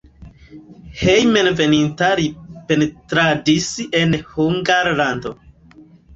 Hejmenveninta li pentradis en Hungarlando.